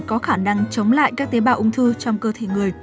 có khả năng chống lại các tế bào ung thư trong cơ thể người